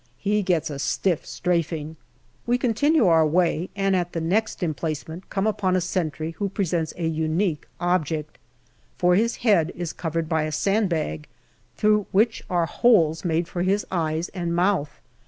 He gets a stiff " strafing." We continue our way, and at the next emplacement come upon a sentry who presents a unique object. For his head is covered by a sand bag, through which are holes made for his eyes and mouth.